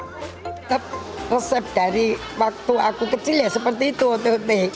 tetap resep dari waktu aku kecil ya seperti itu ott